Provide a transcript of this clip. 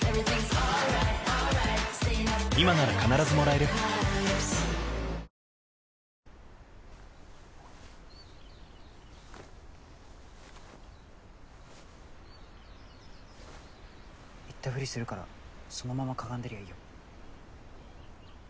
イったふりするからそのままかがんでりゃいいよ。